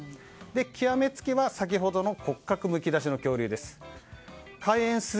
極め付きは骨格むき出しの恐竜です。